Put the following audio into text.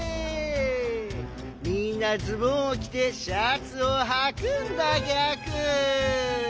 みんなズボンをきてシャツをはくんだギャク。